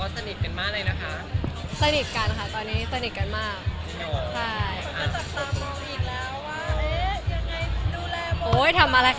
สนิทกันตอนนี้กันมาก